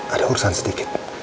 ada urusan sedikit